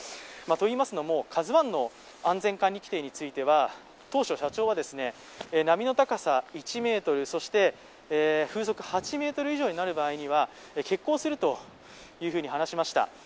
といいますのも、「ＫＡＺＵⅠ」の安全管理規程については当初、社長は波の高さ１メートル、そして風速８メートル以上になる場合には欠航すると話しました。